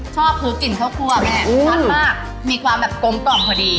ชอบคือกลิ่นข้าวคั่วแม่ชัดมากมีความแบบกลมกล่อมพอดี